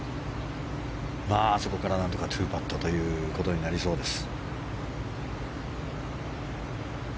あそこから何とか２パットということになりそうです。